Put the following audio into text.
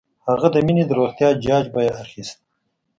هغه د مينې د روغتيا جاج به یې اخيسته